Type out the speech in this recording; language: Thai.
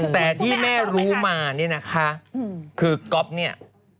แต่ที่แม่รู้มาเนี่ยนะคะคือก๊อฟเนี่ย